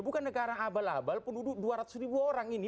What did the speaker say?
bukan negara abal abal penduduk dua ratus ribu orang ini